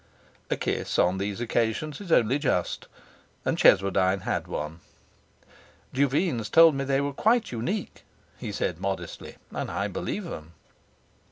A kiss on these occasions is only just, and Cheswardine had one. 'Duveens told me they were quite unique,' he said, modestly; 'and I believe 'em.'